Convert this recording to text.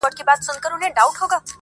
چي ژوندی یم زما به یاد يې میرهاشمه,